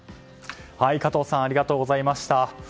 加藤さんありがとうございました。